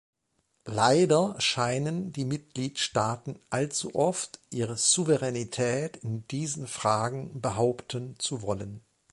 Leider scheinen die Mitgliedstaaten allzu oft ihre Souveränität in diesen Fragen behaupten zu wollen.